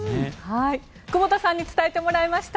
久保田さんに伝えてもらいました。